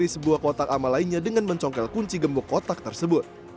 di sebuah kotak amal lainnya dengan mencongkel kunci gembok kotak tersebut